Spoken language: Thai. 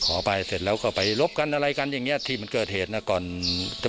ขอไปเสร็จแล้วก็ไปรบกันอะไรกันอย่างเงี้ที่มันเกิดเหตุนะก่อนจะ